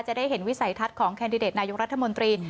จะได้เห็นวิสัยทัศน์ของแคนดิเดตนายกรัฐมนตรี